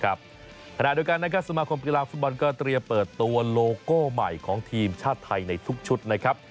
ขณะเดียวกันนะครับสมาคมกีฬาฟุตบอลก็เตรียมเปิดตัวโลโก้ใหม่ของทีมชาติไทยในทุกชุดนะครับ